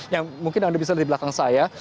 yang mungkin ada bisa di belakang saya